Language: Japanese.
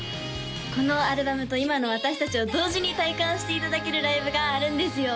このアルバムと今の私達を同時に体感していただけるライブがあるんですよ